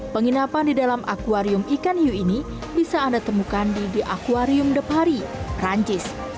penginapan di dalam akwarium ikan hiu ini bisa anda temukan di aquarium de paris perancis